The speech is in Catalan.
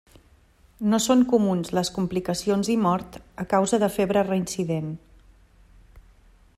No són comuns les complicacions i mort a causa de febre reincident.